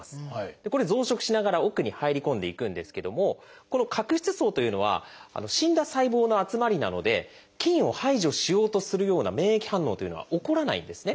これ増殖しながら奥に入り込んでいくんですけどもこの角質層というのは死んだ細胞の集まりなので菌を排除しようとするような免疫反応というのは起こらないんですね。